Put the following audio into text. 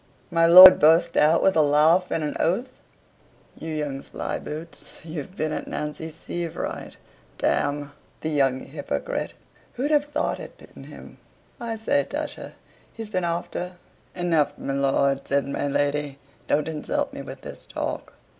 My lord burst out, with a laugh and an oath "You young slyboots, you've been at Nancy Sievewright. D the young hypocrite, who'd have thought it in him? I say, Tusher, he's been after " "Enough, my lord," said my lady, "don't insult me with this talk."